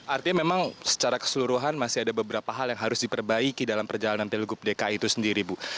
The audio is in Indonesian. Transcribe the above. artinya memang secara keseluruhan masih ada beberapa hal yang harus diperbaiki dalam perjalanan pilgub dki itu sendiri bu